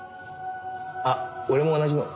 あっ俺も同じのを。